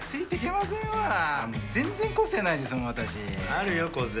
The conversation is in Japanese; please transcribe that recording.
あるよ個性。